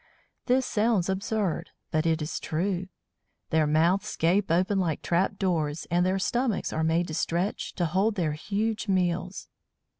This sounds absurd, but it is true. Their mouths gape open like trap doors, and their stomachs are made to stretch, to hold their huge meals!